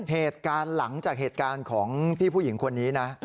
เหตุการณ์หลังจากเหตุการณ์ของพี่ผู้หญิงคนนี้นะ